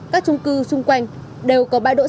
các trung cư xung quanh đều có